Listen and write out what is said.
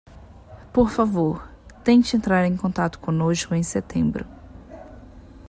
Por favor, tente entrar em contato conosco em setembro.